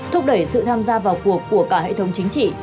thúc đẩy sự tham gia vào cuộc của cả hệ thống chính trị